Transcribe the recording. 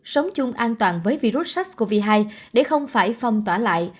sống chung an toàn với virus sars cov hai để không phải phong tỏa lại